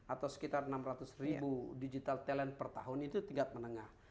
atau sekitar enam ratus ribu digital talent per tahun itu tingkat menengah